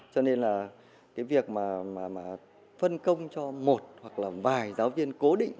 cho nên là cái việc mà phân công cho một hoặc là vài giáo viên cố định